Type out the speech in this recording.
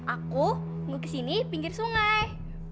aku ngukis ini pinggir sungai